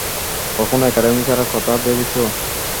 কখনো একাডেমি ছাড়ার কথা ভেবেছো?